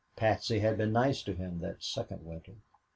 Patsy had been nice to him that second winter.